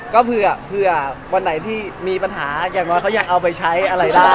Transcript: ก็เผื่อวันไหนที่มีปัญหาอย่างน้อยเขายังเอาไปใช้อะไรได้